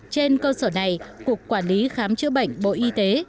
trên cơ sở này cục quản lý khám chữa bệnh bộ y tế